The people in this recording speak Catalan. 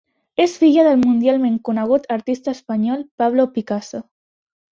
És filla del mundialment conegut artista espanyol Pablo Picasso.